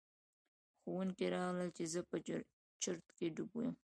ښوونکي راغلل چې زه په چرت کې ډوب یم.